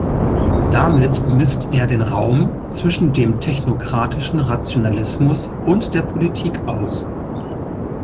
Damit misst er den Raum zwischen dem technokratischen Rationalismus und der Politik aus.